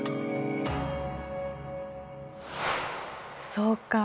そうか。